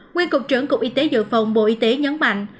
nguyên cục trưởng cục y tế dự phòng bộ y tế nhấn mạnh